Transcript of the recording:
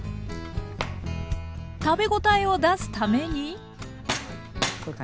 食べ応えを出すために。